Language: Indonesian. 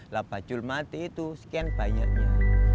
lah bajulmati itu sekian banyaknya